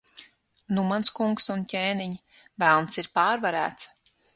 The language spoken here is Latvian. Nu, mans kungs un ķēniņ, Velns ir pārvarēts.